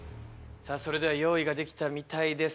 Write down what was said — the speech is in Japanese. それでは用意ができたみたいです